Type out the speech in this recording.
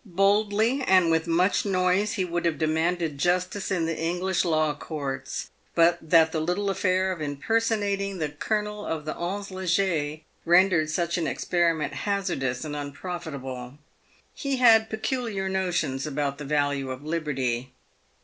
Boldly and with much noise would he have demanded justice in the English law courts, but that the little affair of impersonating the Colonel of the ll e Leger rendered such an experiment hazardous and unprofitable. He had peculiar notions about the value of liberty.